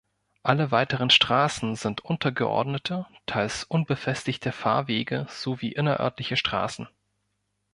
Alle weiteren Straßen sind untergeordnete teils unbefestigte Fahrwege sowie innerörtliche Straßen.